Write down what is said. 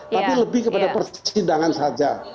tapi lebih kepada persidangan saja